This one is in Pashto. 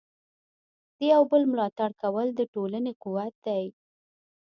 د یو بل ملاتړ کول د ټولنې قوت دی.